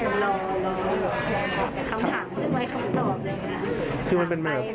เขาว่าจะดูจะทำว่าลมก็โตผลุงภาพอืมทำบุญให้แม่